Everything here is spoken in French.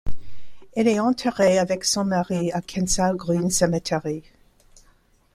Elle est enterrée avec son mari à Kensal Green Cemetery.